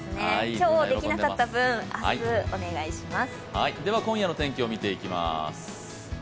今日干せなかった分明日、お願いします。